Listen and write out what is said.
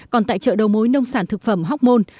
còn tại chợ đầu mối nông sản thực phẩm hóc môn